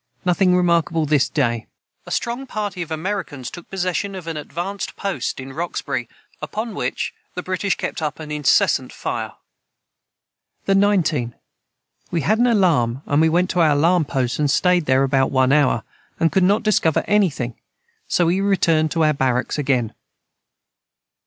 Nothing remarkable this day. [Footnote 134: A strong party of Americans took possession of an advanced post in Roxbury, upon which the British kept up an incessant fire.] the 19. We had an alarm and we went to our alarm Post and stayed their about one hour and could not discover any thing and so we returned to our Baracks again.